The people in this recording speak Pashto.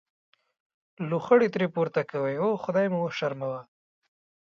لوخړې ترې پورته کوئ او خدای مو وشرموه.